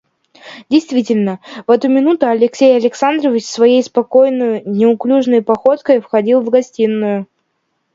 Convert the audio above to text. Действительно, в эту минуту Алексей Александрович своею спокойною, неуклюжею походкой входил в гостиную.